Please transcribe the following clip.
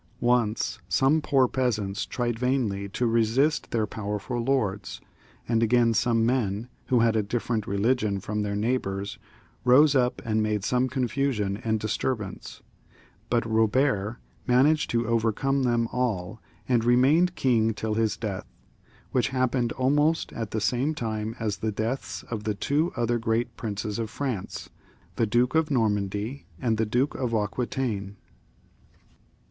Once some poor peasants tried vainly to resist their powerful lords, and again some men, who had a different religion from their neighbours, rose up and made some confusion and disturbance ; but Eobert managed to 60 ROBERT. [CH. oTercome them all and lemained king till his death, which happened almost at the same time as the deaths of the two other great princes of France, the Duke of Normandy and the Duke of Aquitaine.